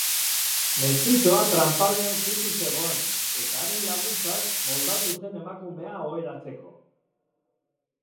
Mestizoa tranpalean zutik zegoen, eta haren laguntzaz moldatu zen emakumea oheratzeko.